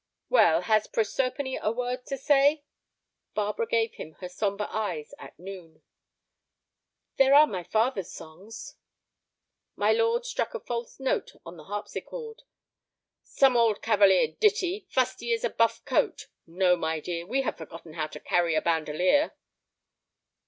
"Well, has Proserpine a word to say?" Barbara gave him her sombre eyes at noon. "There are my father's songs." My lord struck a false note on the harpsichord. "Some old Cavalier ditty, fusty as a buff coat! No, my dear, we have forgotten how to carry a bandolier."